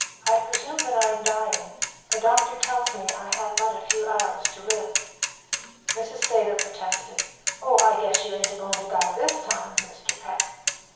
"I presume that I am dying; the doctor tells me that I have but a few hours to live." Mrs. Savor protested, "Oh, I guess you ain't a goin' to die this time, Mr. Peck."